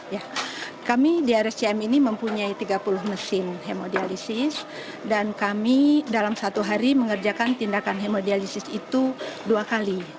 ya kami di rscm ini mempunyai tiga puluh mesin hemodialisis dan kami dalam satu hari mengerjakan tindakan hemodialisis itu dua kali